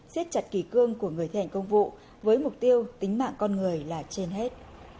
xét chặt kỳ cương của người thi hành công vụ với mục tiêu tính mạng con người là trên hết